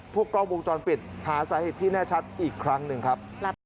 กล้องวงจรปิดหาสาเหตุที่แน่ชัดอีกครั้งหนึ่งครับ